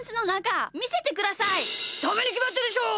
ダメにきまってるでしょ！